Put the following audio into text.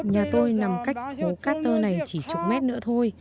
nhà tôi nằm cách hố cát tơ này chỉ chục mét nữa thôi